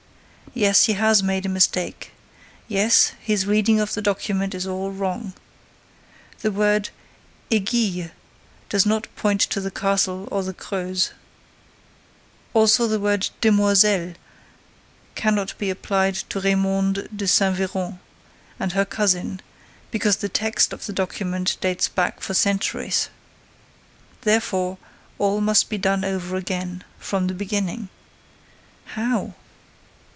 Yes, he has made a mistake. Yes, his reading of the document is all wrong. The word aiguille does not point to the castle on the Creuse. Also, the word demoiselles cannot be applied to Raymonde de Saint Véran and her cousin, because the text of the document dates back for centuries. Therefore, all must be done over again, from the beginning. How?